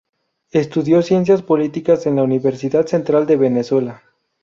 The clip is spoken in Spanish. Estudió Ciencias Políticas en la Universidad Central de Venezuela.